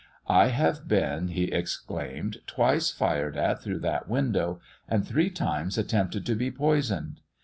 I have been,' he exclaimed, 'twice fired at through that window, and three times attempted to be poisoned.